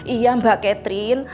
iya mbak catherine